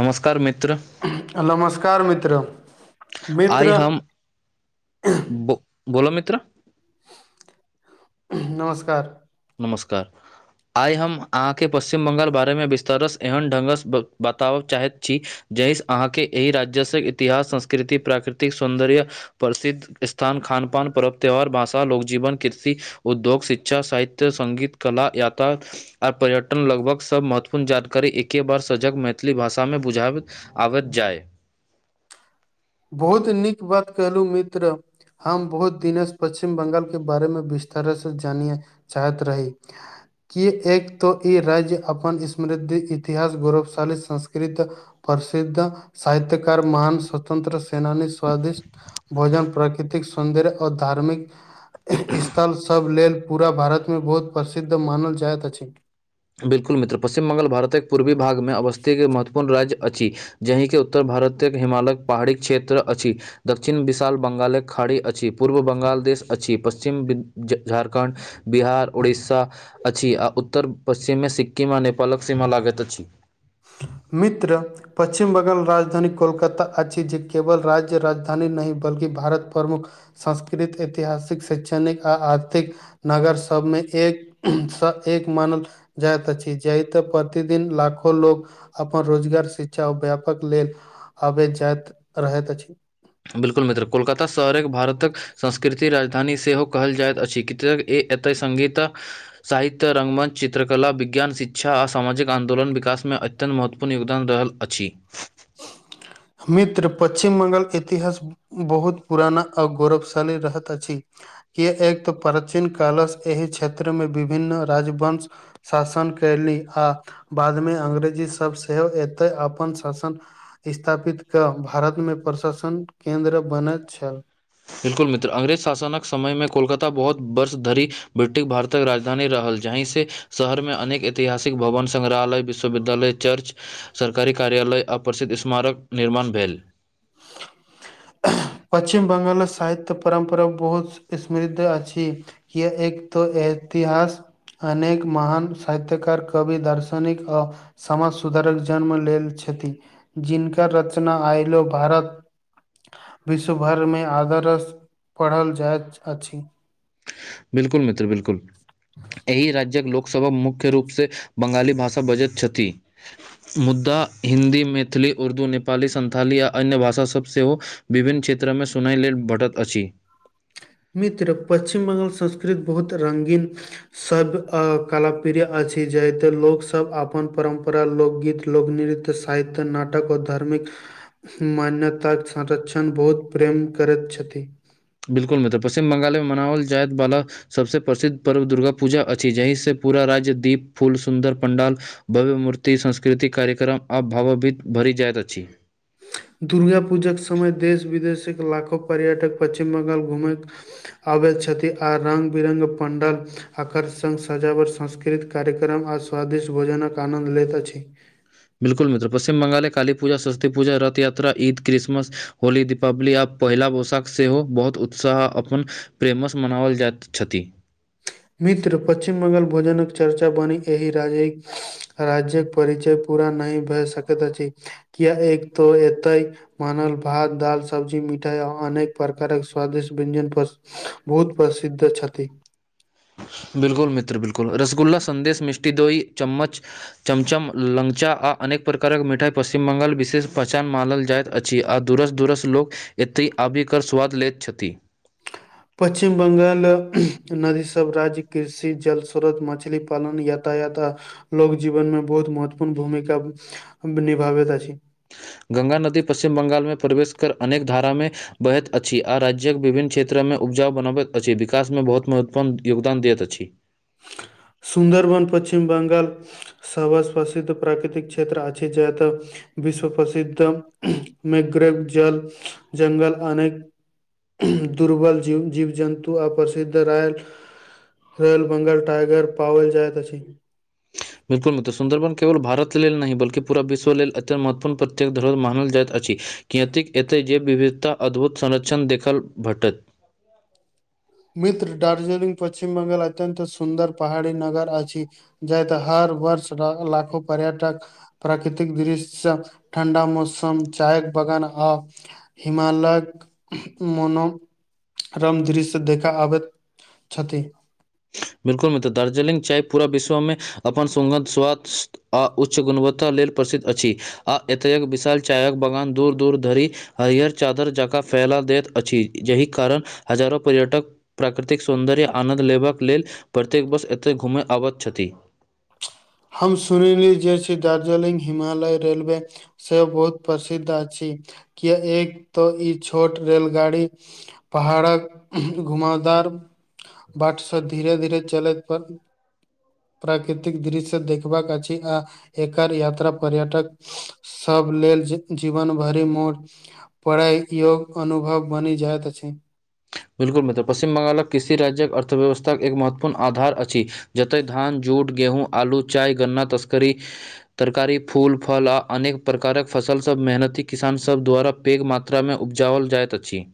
नमस्कार मित्र नमस्कार मित्र आइ मित्र हमम ब बोलो मित्र नमस्कार नमस्कार आइ हम अहाँके पचश्चछिम बङ्गाल बारेमे विस्तारसँ एहन ढङ्गसँ बताबऽ चाहैत छी। जहि से अहाँके एहि राज्यस इतिहास संस्कृति प्राकृतिक सौंन्दर्य। प्रसिद्ध स्थान खान पान परर्व त्यौहार भाषा लोक जीवन कृषि उद्योग शिक्षा साहित्य सङगीत कला यता। आ पर्यटन लगभग सब महत्वपूर्ण जानकारी एके बार सजग मैथिली भाषा मे बुझाब। आबत जाए। बहुत नीक गप्प केलु मीत्र। हम बहुत दिने पच्चिम बंगाल के बारे मे विस्तार से जानिय चाहैत रही। के एक तऽ ई राज्य अपन समृद्धि इतिहास गौरवशाली संस्कृत। प्रसिद्ध साहित्यकार महान। स्वतंत्र सेनानी स्वादिष्ट भोजन प्राकृतिक सौन्दर्य आ धार्मिक स्थल सभ लेल पूरा भारत मे बहुत प्रसिद्ध मानल जाइत अछि। बिल्कुल मित्र पश्चिम बंगाला भारते क पूर्वी भागमे अवस्थीके महत्वपूर्ण राज्य अछि। जहिके उत्तर भारतक हिमालयक पहाड़ी क्षेत्र अछि। दक्षिण विशाल बंगाले खाड़ी अछि पूर्व बंगाल देश अछि पश्चिम झारखण्ड बिहार ओड़सा आ उत्तर पश्चिमे सिक्किम आ नेपालक सीमा लागैत अछि। मित्र पश्चिम बंगाल राजधानी कोलकाता अछि जे केवल राज्य राजधानी नहि बल्कि भारत प्रमुख। संस्कृत ऐतिहासिक शैक्षणिक आ आर्थिक। नगर सबमे एक एक मानल। जाइत अछी जेत प्रतिदिन लाखो लोग। अपन रोजगार शिक्षा आ व्यापक लेल आबे जाइत रहैत अछि। बिल्कुल मित्र कोलकाता शहरक भारतक संस्कृति राजधानी सेहो कहल जाइत अछि कि ई एतऽ सङ्गीत। साहित्य रङंगमञ्च चित्रकला विज्ञान शिक्षा आ सामाजिक आन्दोलन विकास मे अच्छा। अत्यनत महत्वपूर्ण योगदान दरहल अछि। मित्र पश्चछिम बङ्गाल इतिहास। बहुत पुराना ओर गौरवशाली रहत अछि। कि एक तँ प्राचीन कालस एहि क्षेत्र मे विभिन्न राजवंश। शासन कयली आ बादमे अंग्रेजी सेहो एतै अपन शासन। स्थापित क भारत मे प्रशासन केन्द्र बनैत छल। बिलकुल मित्र अंग्रेज शासनक समय मे कोलकाता बहुत वर्ष धरि ब्रिटिश भारतक राजधानी रहल जहिं से शहरमे अनेक ऐतिहासिक भवन संग्रहालय विश्वविद्यालय चर्च। सरकारी कार्यालय आ प्रसिद्ध इस्मारक निर्माण भेल पश्चिम बङ्गाल साहित्य परम्परा बहुत इसमृद्ध अछि एक तऽ ऐतिहास। अनेक महान साहित्यकार कवि दार्शनिक आ समाज सुधारक जन्म लेल छथि जिनका रचना आयलो भारत विश्व भरिमे आदर्सँ पढ़ल जाइत अछि। बिलकुल मित्र बिलकुल एहि राज्य्क लोक। सभक मुख्य रूपसँ बंगाली भाषा बजैत छथि। मुदा हिन्दी मैथिली उर्दू नेपाली संन्थाली आओ अन्य भाषा सभ सेहो। विभिन्न क्षेत्रमे सुनय लेल भेटत अछि। मित्र पश्चिम बंगाल संस्कृति बहुत रंगीन। सब कला प्रिय अछि जाहिते लोक सब अपन परम्परा लोकगीत लोक नृत्य सहित्य नाटक ओ धार्मिक। मान्यताक संरक्षण बहुत प्रेम करैत छथि। बिल्कु मित्र पश्चिम बंगाल मे मनाओल जायत बाला। सबस प्रसिद्ध पर्व दुर्गा पूजा अछि जहिसँ पूरा राज्य दीप फूल सुन्दर पंण्डाल। भव्य मूर्ति सास्कृतिक कार्यक्रम आ भावभीत भरि जाइत अछि। दुर्गा पूजाके समय देश विदेश के लाखो पर्यटक पश्चिम बंगाल घुमेैत। आबैत छथिन आ रंग बिरङ्ग पंण्डाल। आकर्ष सं सजावट संस्कृतिक कार्यक्रम आ स्वदिष्ट भोजनक आनन्द लेत अछि। बिल्कुल मित्र पच्चिम बंगाली पुजा सस्वती पूजा रथ यातरा ईद क्रिसमस। होली दीपावली आब पहिला पोशाख सेहो बहुत उत्साह अपन प्रेमसँ मनाओल जाइत छथि। मित्र पश्चिम बंगाल भोजनक चर्चा बनी एहि राजेक। राज्य्क परिचय पूरा नहि भए सकैत अछि किया एक त एतय। मानल भात दाल सब्जी मिठाइ आ अनेक प्रकारक स्वादिष्ट व्यय्जन पर। बहुत प्रसिद्ध छथि। बिल्कुल मित्र बिलकुल रस्सगुल्ला संदेश मिष्ठी दोही चम्मच। चमचम लंगचा आ अनेक प्रकारक मिठाई पश्चिम बंगाल विशेष पहचान मानल जाइत अछि। आ दूरस दूरस लोक एतय आबिक स्वाद लैत छथि। पश्चिम बगांल नदीसभ राज्य कृषि जल स्रोत मछली पालन यातायात। लोग जीवन मे बहुत महत्वपूर्ण भूमिका निभाबैत अछि। गंगा नदी पश्चिम बंगालमे प्रवेश कर अनेक धारामे बहैत अछि आ राज्यक विभिन्न क्षेत्र मे उपजाउ बनाबैत अछि विकास मे बहुत महत्वपूर्ण योगदान दैत अछि। सुन्दरबन पश्चछिम बंगाल। सभसँ प्रसिद्ध प्राकृतिक क्षेत्र अछि जैतऽ। विश्व प्रसिद्ध मग्रेव जल जंगल अनेक। दुर्बल जीव जन्तु आ प्रसिद्ध राइ भेल। बंगाल टाइगर पाओल जाइत अछि। मिरपुल मित्र सुंदरबन केवल भारत लेल नहि बल्कि पुरा विश्वव लेल अयन्त महत्वपूर्ण प्रत्येक धरोहर मानल जाइत अछि। किएतक एतै जे विविधता अद्भुत संरक्षण देखल भेटत। मीत्र दार्जिलिंग पश्चिम बंगाल अत्यंत सुन्दर पहाड़ी नगर अछि। जाइ त हर वर्ष लाखो पर्यटक। प्राकृतिक दृश्य ठण्डा मौसम चाय बगान आ। हिमालयक मोनोरम दृश्य। देखा आबैत छथि। बिल्कुल मित्र दार्जिलिंग चाय पूरा विश्वमे अपन सुंगध स्वाद। आ उच्च गुणवत्ता लेल प्रसिद्ध अछि आ एतयेक विशाल चायक बगान दूर दूर धरि। हरिहर चादर जकाँ फैला देैत अछि यहि कारण हजारो पर्यटक प्राकृतिक सौन्दर्य आनन्द लेबाक लेल प्रत्येक बस एतय घूमय अबैत छथि। हम सुनली जे छैय दार्जलिंग हिमालय रेलवे। से बहुत प्रसिद्ध अछि किया एक त ई छोट रेलगाड़ी। पहाड़क घुमाउ दार। बाटश धीरे धीरे चलैत पर प्राकृतिक दृश्य। देखबाक अछि आ एकर यात्रा पर्यटक। सब लेल जीवन भरि मोट। पढ़ाइ योग अनुभव बनि जाइत अछि। बिल्कुल मित्र पश्चिम बंगालक किसी राज्यक अर्थव्यवस्थाके एक महत्वपूर्ण आधार अछि। जतय धान जूट गेहूँ आलू चाय गन्ना तस्करी। तरकारी फूल फल आ अनेक प्रकारक फसलसभ मेहनती किसान सभ द्वारा। पैघ मात्रामे उपजाओल जाइत अछि।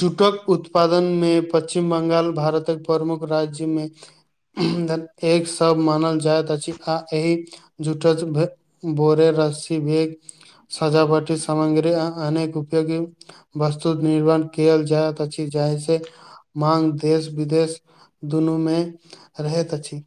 जूटक उत्पादन मे पश्चिम बंगाल भारतक प्रमुख राज्यमे। एक सब मानल जाइत अछि आ एहि। झूठच भोरे रस्सी भेग। सजावटी समाग्री आ अनेक उपयोगी बस्तु निर्वण कियल जायत तऽ अछि जाहि से माँग देश विदेश दुनूमे रहैत अछि।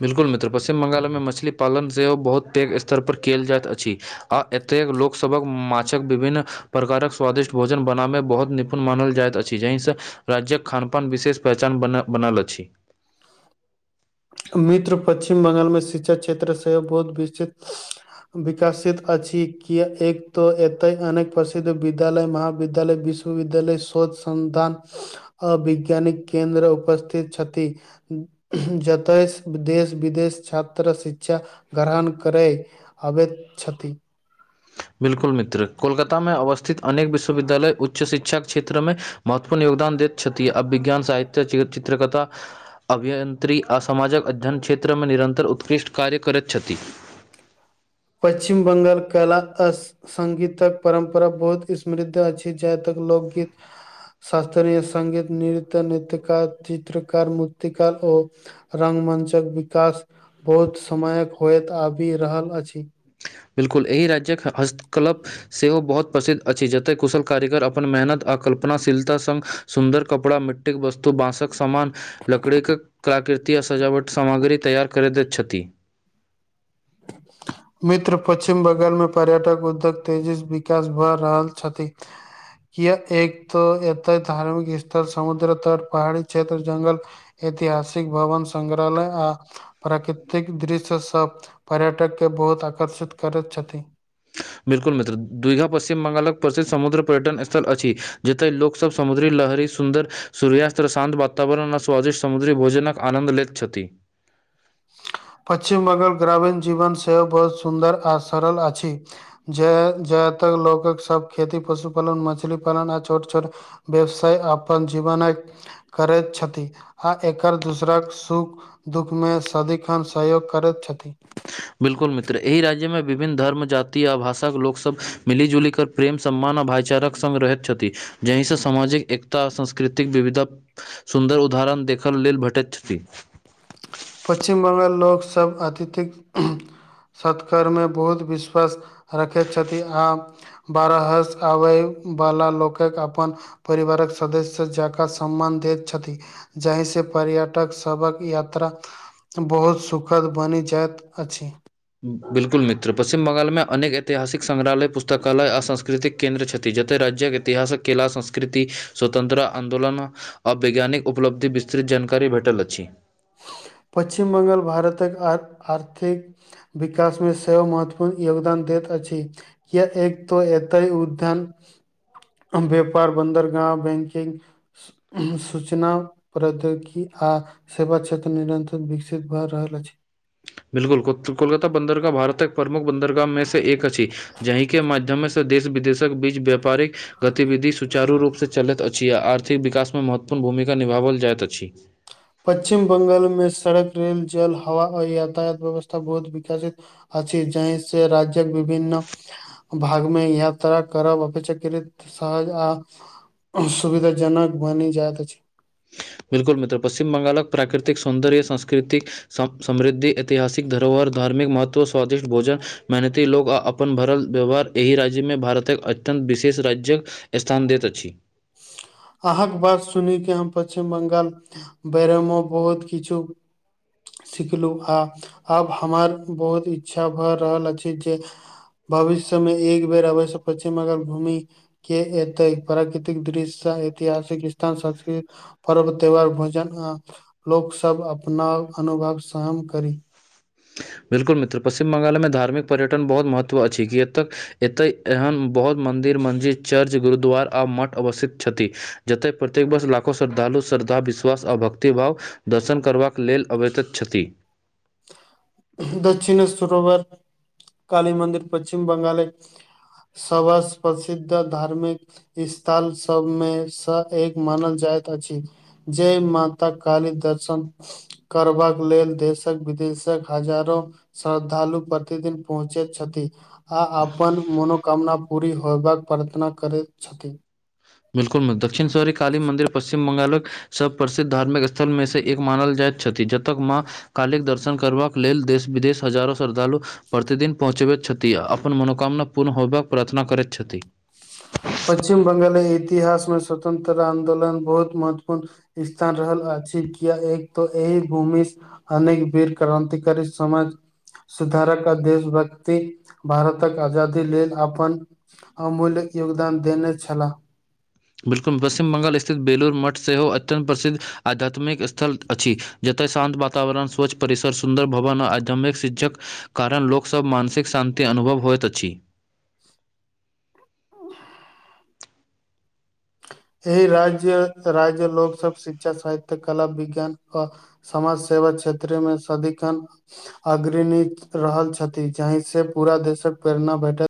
बिल्कुल मित्र, पश्चिम ब्ंगालमे मछली पालन सेहो बहुत पैघ स्तरपर कयल जाइत अछि। आ एतेक लोकसभक माछक विभिन्न प्रकारक स्वादिष्ट भोजन बनाबऽ मे बहुत निपुण मानल जाइत अछि जाहिसे राज्यक खानपान विशेष पहचान बन बनल अछि। मित्र, पश्चिम बंगालमे शिक्षा क्षेत्र से बहुत विकसित विकसित अछि किए एक तऽ एतहि अनेक प्रसिद्ध विद्यालय महाविद्यालय विश्व विशविद्यालय स्वच्छ संस्थान आ वैज्ञानिक केन्द्र उपस्थित छथि। देश विदेश विदेश छात्र शिक्षा ग्रहण करै। आबैत छथि। बिलकुल मित्र, कोलकाता मे अवस्थित अनेक विश्वविद्यालय उच्च शिक्षा क्षेत्रमे महत्वपूर्ण योगदान दैत छथि आ विज्ञान साहित्य के चित्रकथा अभियन्त्रिकी आ समाजक अध्ययन क्षेत्रमे निरन्तर उत्कृष्ट कार्य करैत छथि। पश्चिम बंगाल कलाकस संगगीतक परम्परा बहुत समृद्ध अछि जहां तक लोकगीत शास्त्रीय सङ्गीत नृत्य नृत्यकार चित्रकार मुर्तिकार ओ रङंगमंचक विकास बहुत समयक होइत आबि रहल अछि। बिल्कुल एहि राज्य्यक हस्तकला सेहो बहुत प्रसिद्ध अछि, जतय कुशल कारीगर अपन मेहनत आ कल्पनाशीलता संग सुन्दर कपड़ा मिट मिट्टीक वस्तु, बाँंसक सामान लकड़ीे क्राक कृति आ सजावट सामग्री तैयार करैत छथि। [inaudible] मित्र पश्चिम बंगालमे पर्यटक उद्योग तेजीसँ विकास भऽ रहल छथि। कियैक एक तऽ एतऽ धार्मिक स्थल समुद्र तट पहाड़ी क्षेत्र जंगल ऐतिहासिक भवन, संगग्रहालय आ प्राकृतिक दृश्य सब पर्यटक के बहुत आकर्षित करैत छथि। बिल्कुल मित्र, दुइघा पश्चिम बंगालक प्रसिद्ध समुद्र पर्यटन स्थल अछि जतऽ लोक सब समुद्री लहरी सुन्दर सूर्यास्त शान्त वातावरण आ स्वादिष्ट समुद्री भोजनक आनन्द लेैत छथि। पश्चिम बंगाल ग्रामीण जीवन सेहो बहुत सुन्दर आ सरल अछि। जे ज्यादातर लोक सभक खेती पशुपालन, मछली पालन आ छोट छोट व्यवसाय अपन जीवनक करैत छथि आ एकर दूसराक सुख दुःख में स सदिखन सहयोग करैत छथि। बिल्कुल मित्र एहि राज्य मे विभिन्न धर्म, जाति आ भाषाक लोक सब मिली जुली कऽ प्रेम, सम्मान आ भाइचारक सङग रहैत छथि जाहिसँ सामाजिक एकता आ सांस्कृतिक विविधता सुन्दर उदाहरण देखल लेल भेटैत छथि। पश्चिम ब्ंगाल लोक सभ अतिथिक सत्कार में बहुत विश्वास रखैत छथि आ बाहर आबय वला लोकक अपनी परिवारक सदस्य जाकऽ सम्मान दैत छथि जाहिसँ पर्यटक सभक यात्रा यात्रा बहुत सुखद बनि जाइत अछि। बिल्कुल मित्र पश्चिम बंगाल अनेक ऐतिहासिक संग्रहालय, पुस्तकालय आ सांस्कृतिक केन्द्र छथि जतय राज्य्यक इतिहासक केला संस्कृति स्वतन्त्रता आंदोलन आ वैज्ञानिक उपलब्धि विस्तृत जानकारी भेटल अछि। पश्चिम बंगाल भारतक आर्थिक विकास में सेहो महत्वपूर्ण योगदान दैत अछि। ज एतय एकल उद्यम कमजोरद्॰ व्यापार बन्दर गाँव बैंकिंग ई सूचना प्रद्योगिकी आ सेवा क्षेत्र निरंतर विकसित भ रहललअछि। बिलकुल कोलकाति बंन्दरगाह भारतक प्रमुख बन्दरगाह मे से एक अछि जहि के माध्यम स देश विदेशक बीच व्यापारिक गतिविधि सुचारू रूप से चलैत अछि। छी आ आर्थिक विकास मे महत्वपूर्ण भूमिका निभाओल जाइत अछि। पश्चिम बंगाल मे सड़क, रेल, जल, हवा आ यातायात व्यवस्था बहुत विकसित अछि जाहि से राज्यक विभन्न भागमे यात्रा करब अपेक्षाकृत सहज आ सुविधाजनक बनि जाइत अछि। बिल्कुल मित्र, पश्चिम बंगालक प्राकृतिक सौन्दर्य, संस्कृति सम समृद्धि, ऐतिहासिक धरोहर, धार्मिक महत्व, स्वादिष्ट भोजन मेहनती लोक आ अपन भरल व्यवहार एहि राज्य में भारतक अत्यन्त विशेष राज्यक स्थान दैत अछि। अहाँके बात सुनि के हम पश्चिम बंगालक बारे में बहुत किछु सिखलहुँ आ आब हमर बहुत इच्छा भऽ रहल अछि जे भविष्य में एक बेर अवश्य पश्चिम बंगाल घूमी। कि एतेक प्राकृतिक दृश्य ऐतिहासिक स्थान, संस्कृति, पर्व त्यौहार, भोजन आ लोकसभ अपना अनुभव सहम करी। बिल्कुल मित्र, पश्चिम बंगाल में धार्मिक पर्यटन बहुत महत्व अछि, कि एतऽ एतै एहन बहुत मंन्दिर, मस्जिद, चर्च गुरुद्वार आ मठ अवस्थित छथि। जतय प्रत्येक वर्ष लाखो श्रद्धालु श्रद्धा, विश्वास आ भक्तिभाव दर्शन करबाक लेल अवैत छथि। दक्षिणेश्वर काली मन्दिर पश्चिम बंगालक सवसं प्रसिद्ध धार्मिक स्थल सबमे सँ एक मानल जाइत अछि। जय माता काली दर्शन करबाक लेल देशक विदेशक हजारो श्रद्धालु प्रतिदिन पहुँचैत छथि। आ अपन मनोकामना पूरी होयबाक प्रार्थना करैत छथि। बिल्कुल मित्र दक्षिणेश्वरी काली मन्दिर पश्चिम बंगालक सब सं प्रसिद्ध धार्मिक स्थलमें से एक मानल जाइत छथि जतऽ मा काली दर्शन करबाक लेल देश विदेश हजारो श्रद्धालु प्रतिदिन पहुँचैत छथि आ अपन मनोकामना पूर्ण होबाक प्रार्थना करैत छथि। पश्चिम बंगाल इतिहास मे स्वतंत्र आंन्दोलन बहुत महत्वपूर्ण स्थान रहल अछि किया त एक त एहि भूमि अनेक वीर क्रान्तिकारी समाज सुधारक देशभक्ति भारतक आजादी लेल अपन अमूल्य योगदान देने छलाह। बिलकुल, पश्चिम बंगाल स्थित बेलूर मठ सेहो अत्यन्त प्रसिद्ध आध्यात्मिक स्थल अछि। जतय शान्त वातावरण, स्वच्छ परिसर, सुन्दर भवन आ आध्यमिक शिक्षक कारण लोकसभ मानसिक शान्ति अनुभव होइत अछि। [unintelligible] एहि राज्य राज लोकसब शिक्षा सहित्य कला विज्ञान आ। समाज सेवा क्षेत्र मे सदिखन। अग्रणी रहल छथि जाहि से पूरा देशक प्रेरणा भेठल।